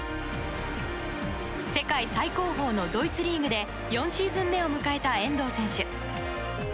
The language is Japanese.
世界最高峰のドイツリーグで４シーズン目を迎えた遠藤選手。